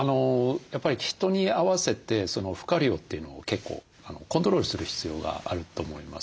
やっぱり人に合わせて負荷量というのを結構コントロールする必要があると思います。